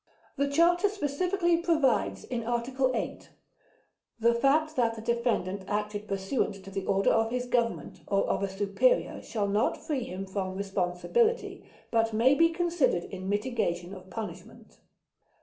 The Charter specifically provides in Article 8: "The fact that the Defendant acted pursuant to order of his Government or of a superior shall not free him from responsibility, but may be considered in mitigation of punishment."